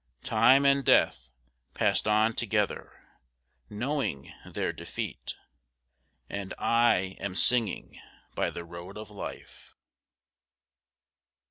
Time and Death Passed on together, knowing their defeat; And I am singing by the road of life.